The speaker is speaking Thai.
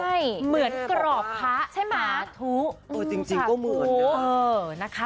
ใช่เหมือนกรอบพระใช่ไหมสาธุเออจริงจริงก็เหมือนนะเออนะคะ